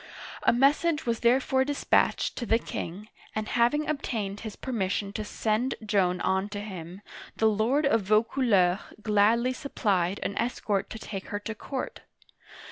A message was therefore dispatched to the king, and hav ing obtained his permission to send Joan on to him, the lord of Vaucouleurs gladly supplied an escort to take her to court.